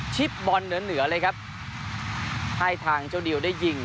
ชิบบอลเหนือเลยครับให้ทางเจ้าดิวได้ยิง